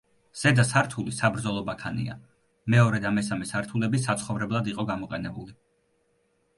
ზედა სართული საბრძოლო ბაქანია, მეორე და მესამე სართულები საცხოვრებლად იყო გამოყენებული.